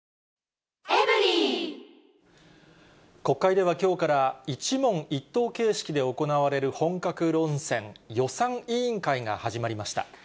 国会ではきょうから、一問一答形式で行われる本格論戦、予算委員会が始まりました。